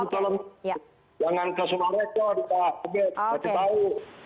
oke ya jangan kesulitan